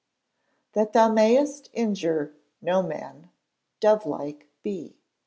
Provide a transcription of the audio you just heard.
[THAT THOU MAYEST INJURE NO MAN, DOVE LIKE BE.